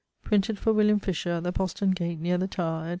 Printed for William Fisher at the Postern gate neer the Tower, etc.